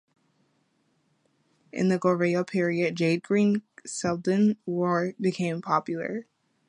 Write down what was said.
In the Goryeo period jade green celadon ware became more popular.